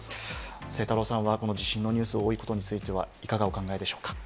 晴太郎さんはこの地震のニュースが多いことについては、いかがお考えでしょうか。